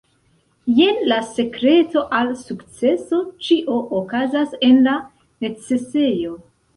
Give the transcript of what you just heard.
Jen la sekreto al sukceso ĉio okazas en la necesejo